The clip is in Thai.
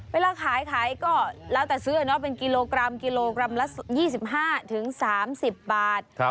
เวลาขายก็แล้วแต่ซื้ออย่างนอกเป็นกิโลกรัมละ๒๕๓๐บาท